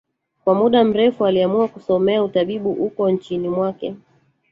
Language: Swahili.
Kwa muda mrefu aliamua kusomea utabibu uko nchini mwake